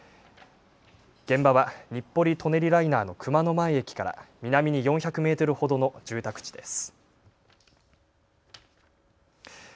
現場は日暮里・舎人ライナーの熊野前駅から南に４００メートルほどの住宅地です。